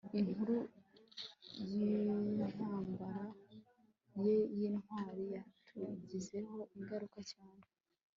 inkuru yintambara ye yintwari yatugizeho ingaruka cyane